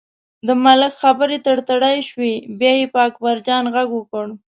د ملک خبرې تړتړۍ شوې، بیا یې په اکبرجان غږ وکړ.